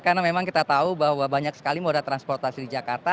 karena memang kita tahu bahwa banyak sekali modal transportasi di jakarta